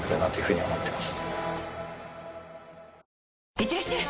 いってらっしゃい！